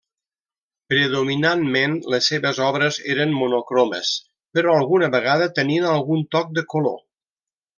Predominantment, les seves obres eren monocromes, però alguna vegada tenien algun toc de color.